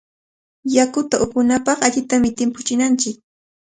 Yakuta upunapaqqa allitami timpuchinanchik.